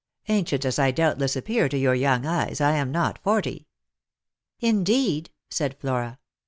Ancient as I doubtless appear to your young eyes, I am not forty." " Indeed !" said Flora.